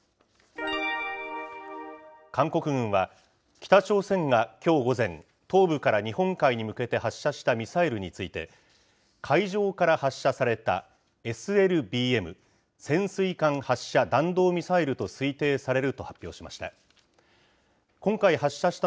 韓国軍は、北朝鮮がきょう午前、東部から日本海に向けて発射したミサイルについて、海上から発射されたＳＬＢＭ・潜水艦発射弾道ミサイルと推定されると発表しました。